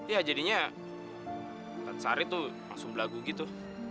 ya jadinya tante sari tuh langsung belagu gitu